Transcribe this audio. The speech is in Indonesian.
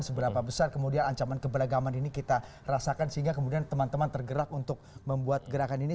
seberapa besar kemudian ancaman keberagaman ini kita rasakan sehingga kemudian teman teman tergerak untuk membuat gerakan ini